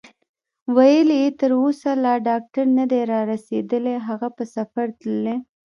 ویل یې: تر اوسه لا ډاکټر نه دی رارسېدلی، هغه په سفر تللی.